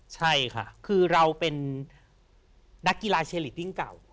ใช่ค่ะคือเราเป็นนักกีฬาเชลิตติ้งเก่า